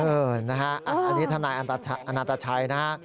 อืมอันนี้ทนายอันนาตาชัยนะ